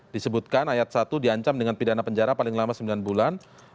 disebutkan ayat satu diancam dengan pidana penjara paling lama sembilan bulan